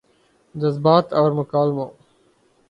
جذبات اور مکالموں